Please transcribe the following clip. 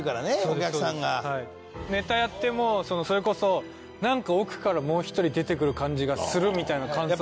ネタやってもそれこそなんか奥からもう一人出てくる感じがするみたいな感想。